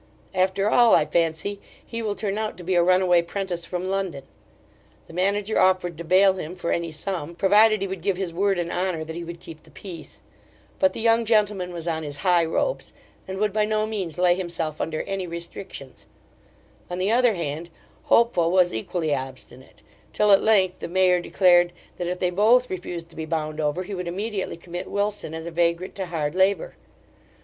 After all, I fancy, he will turn out to be a run away prentice from London. The manager offered to bail him for any sum, provided he would give his word and honour that he would keep the peace; but the young gentleman was on his high ropes, and would by no means lay himself under any restrictions: on the other hand, Hopeful was equally obstinate; till at length the mayor declared, that if they both refused to be bound over, he would immediately commit Wilson as a vagrant to hard labour.